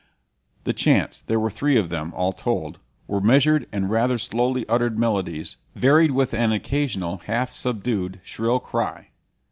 The chants there were three of them, all told were measured and rather slowly uttered melodies, varied with an occasional half subdued shrill cry.